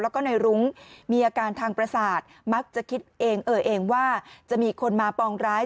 แล้วก็ในรุ้งมีอาการทางประสาทมักจะคิดเองเออเองว่าจะมีคนมาปองร้าย